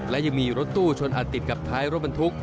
และยังมีรถตู้ชนอาจติดกับท้ายรถบรรทุก